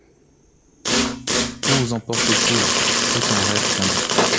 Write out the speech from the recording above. Où vous emportent-ils ? Ceux qu’un rêve conduit